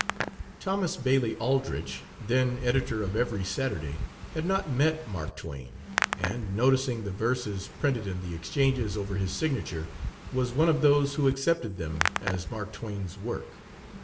Thomas Bailey Aldrich, then editor of Every Saturday, had not met Mark Twain, and, noticing the verses printed in the exchanges over his signature, was one of those who accepted them as Mark Twain's work.